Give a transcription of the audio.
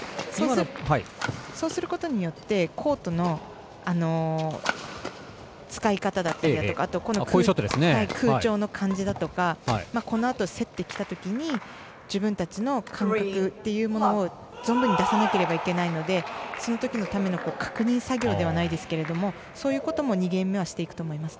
そうすることによってコートの使い方だったりとか空調の感じだとかこのあと、競ってきたときに自分たちの感覚というものを出さなければいけないのでそのときのための確認作業じゃないですけどそういうことも２ゲーム目はしていくと思います。